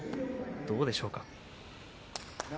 どうでしょうか。